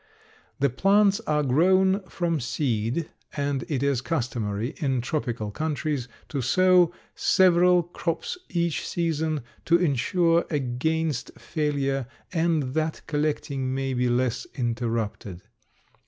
The plants are grown from seed, and it is customary, in tropical countries, to sow several crops each season to insure against failure and that collecting may be less interrupted.